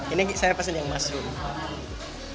ini saya pesan yang masuk